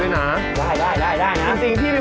น่ากลัวสวย